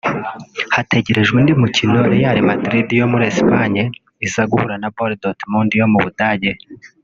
hategerejwe undi mukino Real Madrid yo muri Espagne iza guhura na Bor Dortmund yo mu Budage